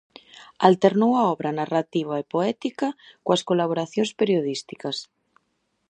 Alternou a obra narrativa e poética coas colaboracións periodísticas.